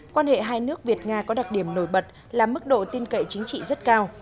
quan hệ hai nước việt nga có đặc điểm nổi bật là mức độ tin cậy chính trị rất cao